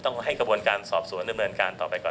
ให้กระบวนการสอบสวนดำเนินการต่อไปก่อน